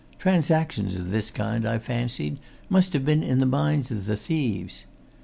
Transactions of this kind, I fancied, must have been in the minds of the thieves.